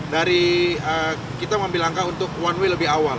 dari kita mengambil langkah untuk one way lebih awal